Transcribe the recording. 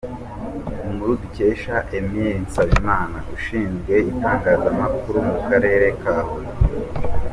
Inkuru dukesha : Emile Nsabimana, Ushinzwe Itangazamakuru mu Karere ka Huye.